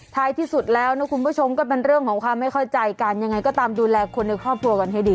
ท้ายที่สุดแล้วนะคุณผู้ชมก็เป็นเรื่องของความไม่เข้าใจกันยังไงก็ตามดูแลคนในครอบครัวกันให้ดี